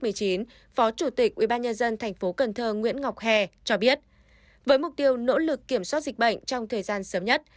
phó chủ tịch ubnd tp cần thơ nguyễn ngọc hè cho biết với mục tiêu nỗ lực kiểm soát dịch bệnh trong thời gian sớm nhất